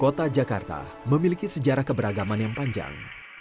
kota jakarta memiliki sejarah keberagaman yang panjang